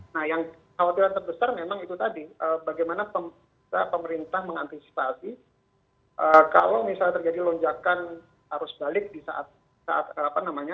nah yang khawatiran terbesar memang itu tadi bagaimana pemerintah mengantisipasi kalau misalnya terjadi lonjakan harus balik di saat hari hari yang sama gitu ya